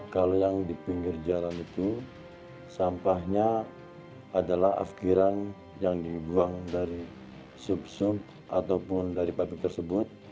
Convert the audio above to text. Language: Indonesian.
kalau yang di pinggir jalan itu sampahnya adalah afkiran yang dibuang dari sub sub ataupun dari pabrik tersebut